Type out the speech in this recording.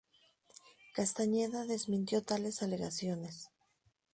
Castañeda desmintió tales alegaciones.